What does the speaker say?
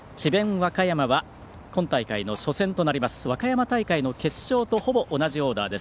和歌山は今大会の初戦となります和歌山大会の決勝とほぼ同じオーダーです。